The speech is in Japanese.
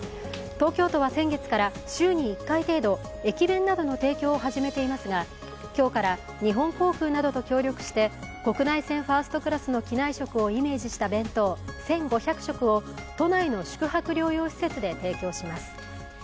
東京都は先月から週に１回程度、駅弁などの提供を始めていますが、今日から日本航空などと協力して国内線ファーストクラスの機内食をイメージした弁当１５００食を都内の宿泊療養施設で提供します。